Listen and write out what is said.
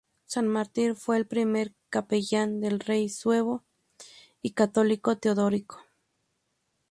San Martín fue el primer capellán del rey suevo y católico Teodorico.